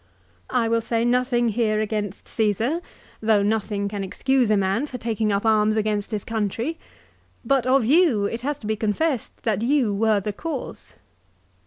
" I will say nothing here against Caesar though nothing can excuse a man for taking up arms against his country. But of you it has to be confessed that you were the cause."